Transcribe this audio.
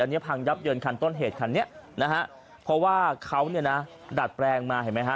อันนี้พังยับเยินคันต้นเหตุคันนี้นะฮะเพราะว่าเขาเนี่ยนะดัดแปลงมาเห็นไหมฮะ